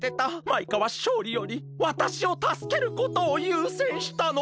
マイカはしょうりよりわたしをたすけることをゆうせんしたの。